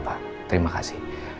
gapapa pak terima kasih